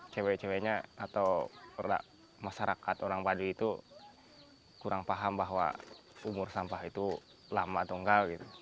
cewek ceweknya atau masyarakat orang padi itu kurang paham bahwa umur sampah itu lama atau enggak gitu